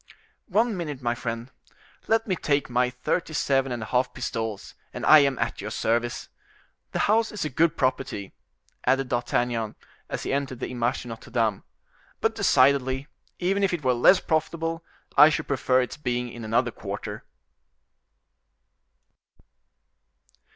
"One minute, my friend; let me take my thirty seven and a half pistols, and I am at your service. The house is a good property," added D'Artagnan, as he entered the Image de Notre Dame, "but decidedly, even if it were less profitable, I should prefer its being in another quarter."